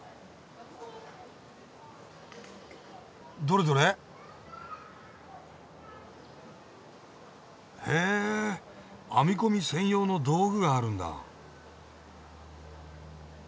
どれどれ？へ編み込み専用の道具があるんだ。